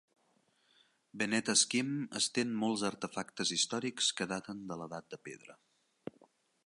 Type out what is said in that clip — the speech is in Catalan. Beneath Askim estén molts artefactes històrics que daten de l'edat de pedra.